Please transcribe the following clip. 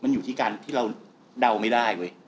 มันอยู่ที่การที่เราเดาไม่ได้เว้ย